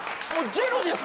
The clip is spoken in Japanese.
ジェロです。